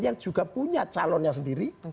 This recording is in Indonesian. yang juga punya calonnya sendiri